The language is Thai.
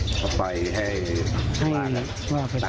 จะไปให้ว่าไปตาม